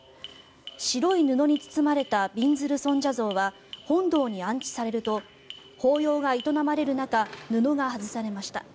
白い布に包まれたびんずる尊者像は本堂に安置されると法要が営まれる中布が外されました。